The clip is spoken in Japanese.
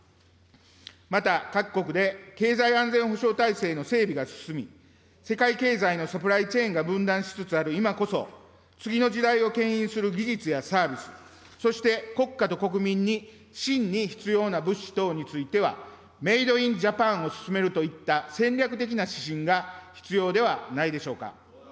また各国で経済安全保障体制の整備が進み、世界経済のサプライチェーンが分断しつつある今こそ、次の時代をけん引する技術やサービス、そして国家と国民に真に必要な物資等については、メイド・イン・ジャパンを進めるといった戦略的な指針が必要ではないでしょうか。